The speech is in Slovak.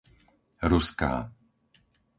Ruská